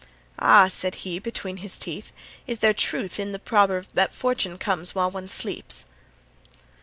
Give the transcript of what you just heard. "Ah," said he, between his teeth, "is there truth in the proverb that fortune comes while one sleeps?"